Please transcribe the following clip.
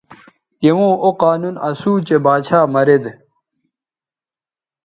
توؤں او قانون اسو چہء باچھا مرید